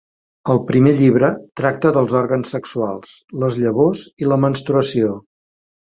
El primer llibre tracta dels òrgans sexuals, les llavors i la menstruació.